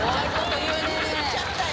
言っちゃったよ。